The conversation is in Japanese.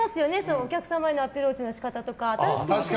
お客様へのアプローチの仕方とか。